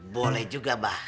boleh juga bah